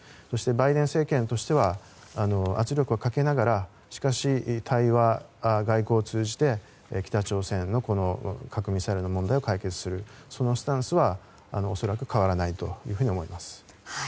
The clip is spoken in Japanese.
そして、バイデン政権としては圧力をかけながらしかし、対話、外交を通じて北朝鮮の核・ミサイルの問題を解決する、そのスタンスは恐らく変わらないと思います。